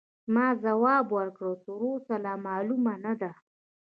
ما ځواب ورکړ: تراوسه لا معلومه نه ده.